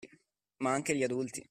Ma anche gli adulti